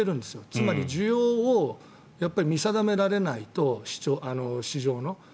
つまり需要を見定められないと市場の。